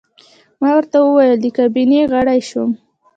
ما ورته وویل: د کابینې غړی شوم.